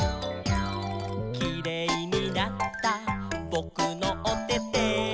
「キレイになったぼくのおてて」